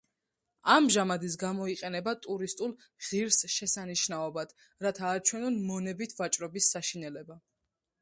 ამჟამად ის გამოიყენება ტურისტულ ღირსშესანიშნაობად, რათა აჩვენონ მონებით ვაჭრობის საშინელება.